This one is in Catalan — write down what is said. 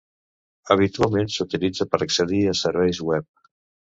Habitualment s'utilitza per accedir a Serveis web.